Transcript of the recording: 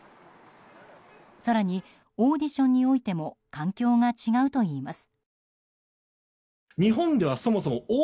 更にオーディションにおいても環境が違うといいます。